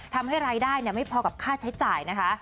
ทำให้รายได้ไม่พอกับค่าใช้จ่ายนะคะ